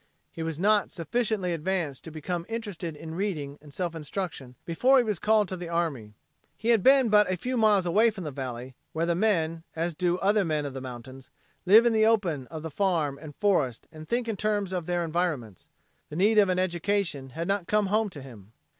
He was not sufficiently advanced to become interested in reading and self instruction before he was called to the army. He had been but a few miles away from the valley, where the men, as do other men of the mountains, live in the open of the farm and forest and think in terms of their environments. The need of an education had not come home to him.